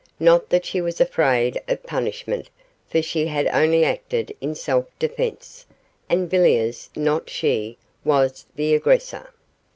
Not that she was afraid of punishment, for she had only acted in self defence, and Villiers, not she, was the aggressor.